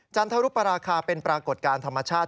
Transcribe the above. จันทรุปราคาเป็นปรากฏการณ์ธรรมชาติ